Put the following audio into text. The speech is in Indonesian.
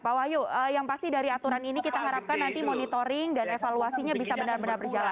pak wahyu yang pasti dari aturan ini kita harapkan nanti monitoring dan evaluasinya bisa benar benar berjalan